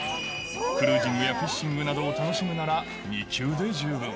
クルージングやフィッシングなどを楽しむなら２級で十分。